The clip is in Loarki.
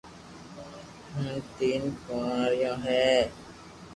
ھين تين ڪواريو ھي